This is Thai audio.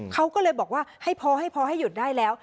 เขาก็เลยบอกว่าให้พอให้พอให้หยุดได้แล้ว